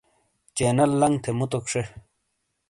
چینل لنگ تھے مُوتوک شے۔